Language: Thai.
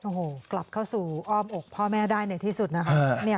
โอ้โหกลับเข้าสู่อ้อมอกพ่อแม่ได้ในที่สุดนะคะ